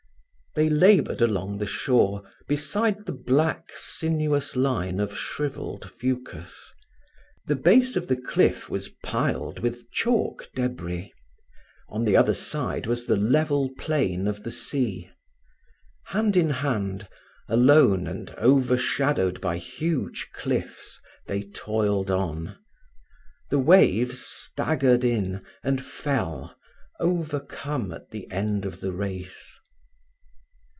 They laboured along the shore, beside the black, sinuous line of shrivelled fucus. The base of the cliff was piled with chalk debris. On the other side was the level plain of the sea. Hand in hand, alone and overshadowed by huge cliffs, they toiled on. The waves staggered in, and fell, overcome at the end of the race.